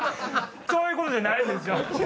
そういうことじゃないんですよ。